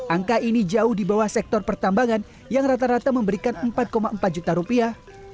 angka ini jauh di bawah sektor pertambangan yang rata rata memberikan empat empat juta rupiah